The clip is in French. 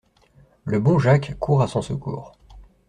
Le bon Jacques court à son secours.